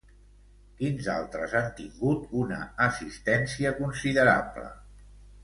Quins altres han tingut una assistència considerable?